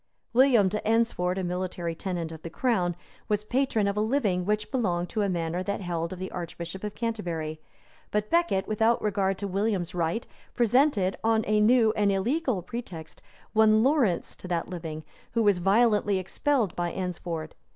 William de Eynsford, a military tenant of the crown, was patron of a living which belonged to a manor that held of the archbishop of Canterbury; but Becket, without regard to William's right, presented, on a new and illegal pretext, one Laurence to that living, who was violently expelled by Eynsford.